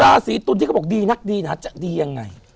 ราศีตุลที่เขาบอกดีนักดีนะจะดียังไง